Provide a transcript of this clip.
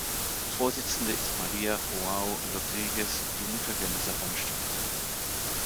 Vorsitzende ist Maria João Rodrigues, die "Mutter der Lissabon-Strategie".